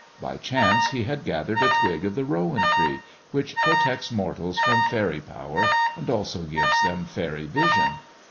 By chance he had gathered a twig of the rowan tree, which protects mortals from faery power, and also gives them faery vision.